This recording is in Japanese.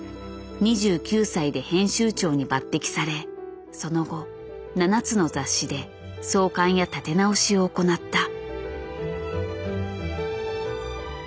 ２９歳で編集長に抜てきされその後７つの雑誌で創刊や立て直しを行った。